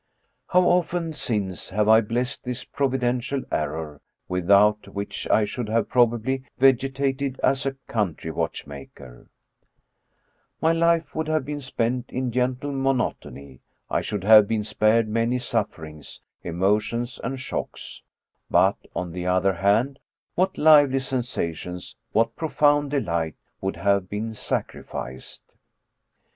How often since have I blessed this providential error, without which I should have probably vegetated as a coun try watchmaker ! My life would have been spent in gentle monotony; I should have been spared many sufferings, emotions, and shocks ; but, on the other hand, what lively sensations, what profound delight would have been sac rificed